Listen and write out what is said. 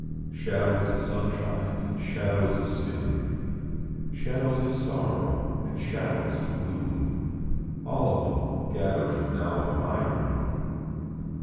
Shadows o sunshine and shadows o sin, Shadows o sorrow and shadows o gloom. All of em gatherin now in my room.